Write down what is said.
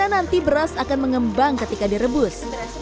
dan nanti beras akan mengembang ketika direbus